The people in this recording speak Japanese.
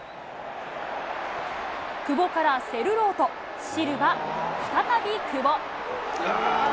久保からセルロート、シルバ、再び久保。